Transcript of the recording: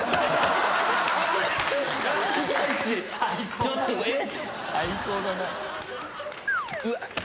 ちょっと。えっ？